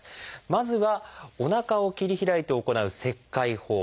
まずはおなかを切り開いて行う「切開法」。